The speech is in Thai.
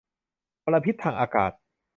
มลพิษทางอากาศ